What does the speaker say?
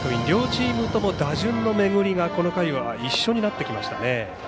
両チームとも打順の巡りがこの回は一緒になってきましたね。